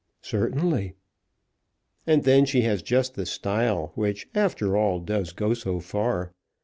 "Certainly." "And then she has just the style which, after all, does go so far.